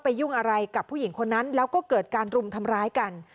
ยุ่งอะไรกับผู้หญิงคนนั้นแล้วก็เกิดการรุมทำร้ายกัน